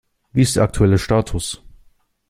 Wie ist der aktuelle Status?